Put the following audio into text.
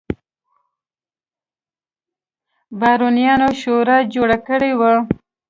بارونیانو شورا جوړه کړې وه.